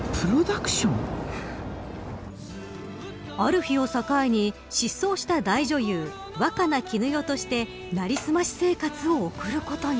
ある日を境に失踪した大女優、若菜絹代として成り済まし生活を送ることに。